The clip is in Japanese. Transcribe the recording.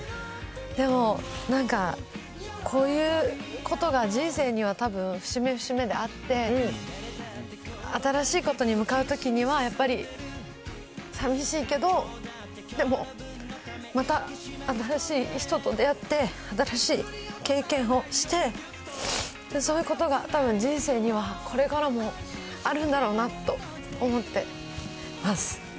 でも、なんか、こういうことが人生にはたぶん、節目節目であって、新しいことに向かうときには、やっぱり、さみしいけど、でもまた新しい人と出会って、新しい経験をして、そういうことがたぶん、人生にはこれからもあるんだろうなと思ってます。